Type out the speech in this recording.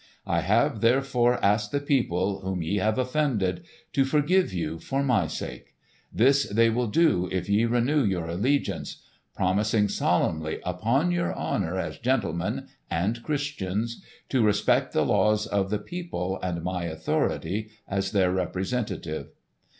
I have therefore asked the people, whom ye have offended, to forgive you for my sake. This they will do if ye renew your allegiance,—promising solemnly upon your honour as gentlemen and Christians to respect the laws of the people and my authority as their representative."